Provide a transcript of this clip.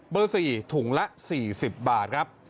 เบอร์๔ถุงละ๔๐บาทครับ